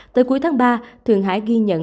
tới cuối tháng ba thượng hải ghi nhận